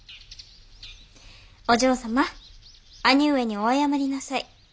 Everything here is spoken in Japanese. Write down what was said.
お嬢様兄上にお謝りなさい。